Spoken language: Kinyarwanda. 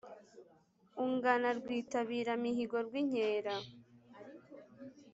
ungana rwitabira mihigo rwinkera